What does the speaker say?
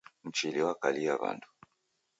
Mchili wakalia w'andu.